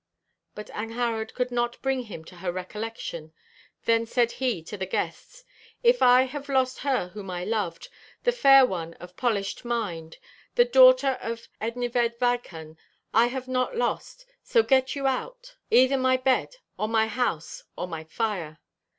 "' But Angharad 'could not bring him to her recollection. Then said he to the guests: "If I have lost her whom I loved, the fair one of polished mind, The daughter of Ednyved Vychan, I have not lost (so get you out!) Either my bed, or my house, or my fire."